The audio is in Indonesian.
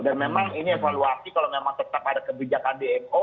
dan memang ini evaluasi kalau memang tetap ada kebijakan dmo